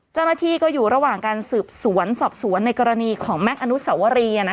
เจ้าหน้าที่ก็อยู่ระหว่างการสืบสวนสอบสวนในกรณีของแม็กซอนุสวรี